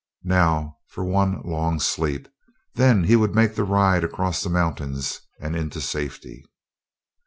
Now for one long sleep; then he would make the ride across the mountains and into safety.